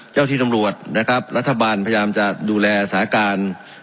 เจ้าที่ตำรวจนะครับรัฐบาลพยายามจะดูแลสาการ